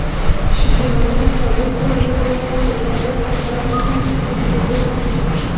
شجاع الملک کابل ته راننوت او د بابر په بڼ کې استوګن شو.